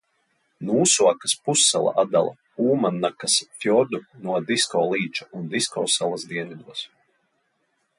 Nūsuakas pussala atdala Ūmannakas fjordu no Disko līča un Disko salas dienvidos.